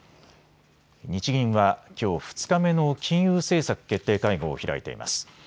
日銀はきょう２日目の金融政策決定会合を開いています。